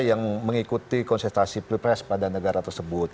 yang mengikuti konsultasi pilpres pada negara tersebut